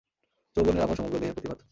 যৌবনের আভা সমগ্র দেহে প্রতিভাত।